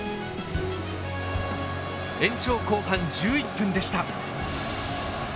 延長後半１１分でした。